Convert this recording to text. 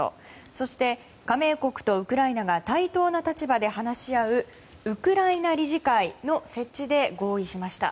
そして、加盟国とウクライナが対等の立場で話し合うウクライナ理事会の設置で合意しました。